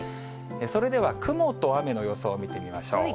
それでは、雲と雨の予想を見てみましょう。